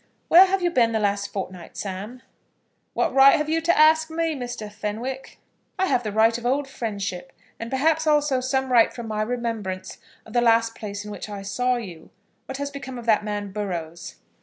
"Where have you been the last fortnight, Sam?" "What right have you to ask me, Mr. Fenwick?" "I have the right of old friendship, and perhaps also some right from my remembrance of the last place in which I saw you. What has become of that man, Burrows?"